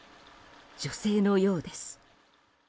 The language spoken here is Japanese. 女性のようです。